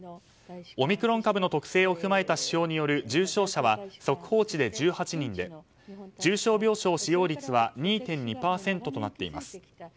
オミクロン株の特性を踏まえた指標による重症者は速報値で１８人で重症病床使用率は２．２％となっています。